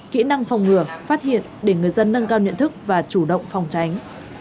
kỹ năng phòng ngừa phát hiện để người dân nâng cao nhận thức và chủ động phòng tránh